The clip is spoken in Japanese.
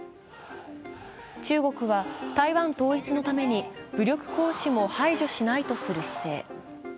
中国は台湾統一のために武力行使も排除しないという姿勢。